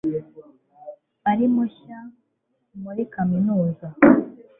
ari mushya muri kaminuza